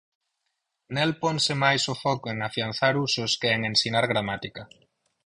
Nel ponse máis o foco en afianzar usos que en ensinar gramática.